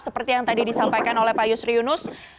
seperti yang tadi disampaikan oleh pak yusri yunus